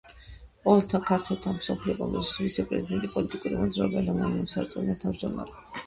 ყოველთა ქართველთა მსოფლიო კონგრესის ვიცე-პრეზიდენტი; პოლიტიკური მოძრაობა „ენა, მამული, სარწმუნოება“ თავმჯდომარე.